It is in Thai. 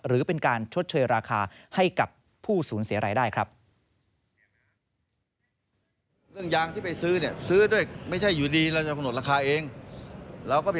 หรือเป็นการชดเชยราคาให้กับผู้สูญเสียรายได้ครับ